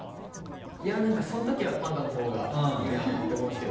いや何かそのときはパンダのほうがいいなって思うんですけど。